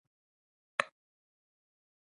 پوټکی د تودوخې درجه کنټرولوي